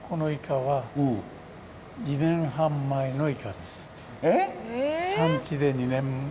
はい。